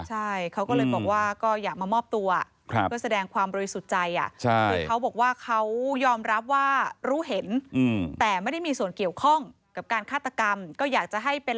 ใช่เขาก็เลยบอกว่าก็อยากมามอบตัวเพื่อแสดงความบริสุทธิ์ใจ